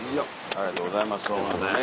ありがとうございます。